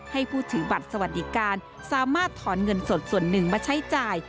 ให้ผู้ถือบัตรสวัสดิการสามารถถอนเงินสดส่วนหนึ่งมาใช้จ่าย